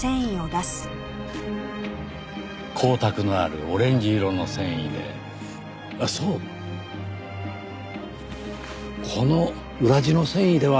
光沢のあるオレンジ色の繊維でそうこの裏地の繊維ではありませんかねぇ？